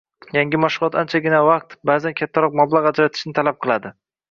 Yangi mashg‘ulot anchagina vaqt, baʼzan kattaroq mablag‘ ajratishni talab qiladi.